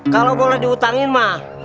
kalau boleh diutangin mah